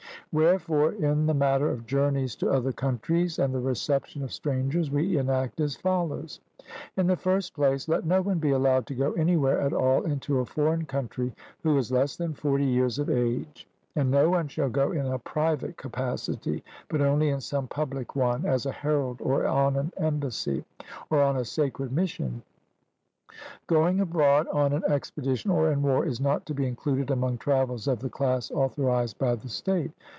Wherefore, in the matter of journeys to other countries and the reception of strangers, we enact as follows: In the first place, let no one be allowed to go anywhere at all into a foreign country who is less than forty years of age; and no one shall go in a private capacity, but only in some public one, as a herald, or on an embassy, or on a sacred mission. Going abroad on an expedition or in war is not to be included among travels of the class authorised by the state.